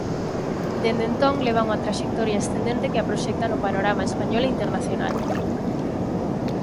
Dende entón leva unha traxectoria ascendente que a proxecta no panorama español e internacional.